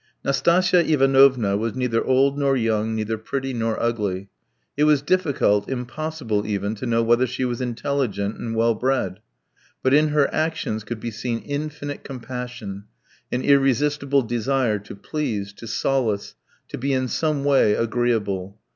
Nastasia Ivanovna was neither old nor young, neither pretty nor ugly. It was difficult, impossible even, to know whether she was intelligent and well bred. But in her actions could be seen infinite compassion, an irresistible desire to please, to solace, to be in some way agreeable.